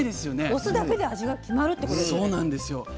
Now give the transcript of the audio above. お酢だけで味が決まるってことですよね？